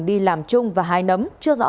đi làm chung và hái nấm chưa rõ